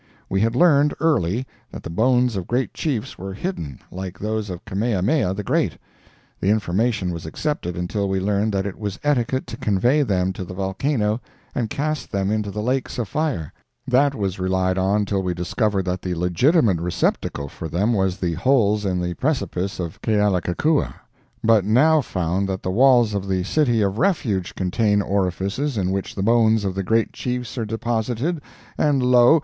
We had learned, early, that the bones of great Chiefs were hidden, like those of Kamehameha the Great; the information was accepted until we learned that it was etiquette to convey them to the volcano and cast them into the lakes of fire; that was relied on till we discovered that the legitimate receptacle for them was the holes in the precipice of Kealakekua; but now found that the walls of the City of Refuge contain orifices in which the bones of the great Chiefs are deposited, and lo!